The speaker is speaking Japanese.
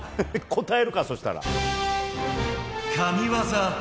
答えるか、そしたら。